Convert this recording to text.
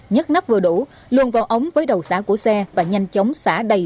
nhấc nắp vừa đủ luôn vào ống với đầu xã của xe và nhanh chóng xã đầy